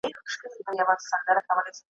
کردار دي یو کفتار دي بل څه وایې